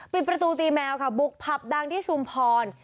ปิดประตูตีแมวค่ะบุกผับดังที่ชุมพร